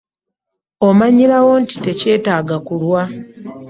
Omanyirawo nti tekyetaaga kulwa.